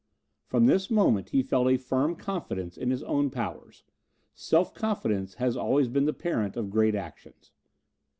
From this moment he felt a firm confidence in his own powers self confidence has always been the parent of great actions.